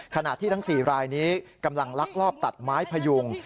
ขณะที่ทั้ง๔รายนี้กำลังลักลอบตัดไม้พยุง